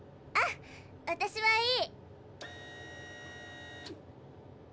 あ私はいい。